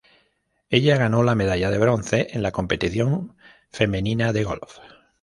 Ella ganó la medalla de bronce en la competición femenina de golf.